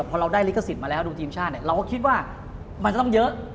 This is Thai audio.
พอเราได้ลิขสิทธิ์มาแล้วดูทีมชาติเราก็คิดว่ามันจะต้องเยอะ